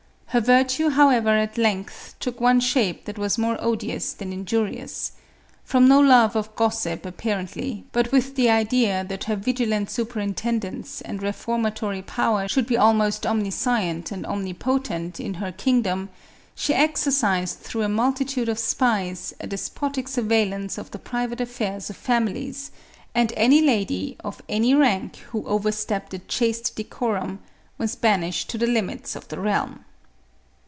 Her virtue, however, at length took one shape that was more odious than injurious. From no love of gossip, apparently, but with the idea that her vigilant superintendence and reformatory power should be almost omniscient and omnipotent, in her kingdom, she exercised, through a multitude of spies, a despotic surveillance of the private affairs of families ; and any lady, of any rank, who overstepped a chaste decorum, was banished to the limits of the realm.